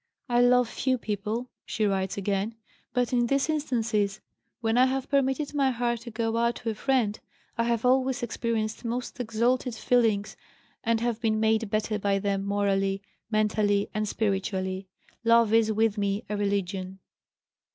"I love few people," she writes again, "but in these instances when I have permitted my heart to go out to a friend I have always experienced most exalted feelings, and have been made better by them morally, mentally, and spiritually. Love is with me a religion."